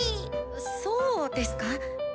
そうですか？